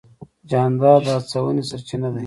جانداد د هڅونې سرچینه دی.